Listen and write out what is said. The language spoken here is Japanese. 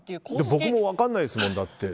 僕も分からないですもん。